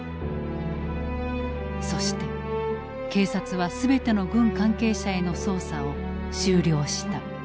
そして警察は全ての軍関係者への捜査を終了した。